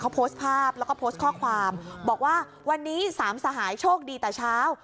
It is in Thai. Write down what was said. เขาโพสต์ภาพแล้วก็โพสต์ข้อความบอกว่าวันนี้สามสหายโชคดีแต่เช้า